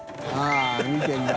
△見てるんだ。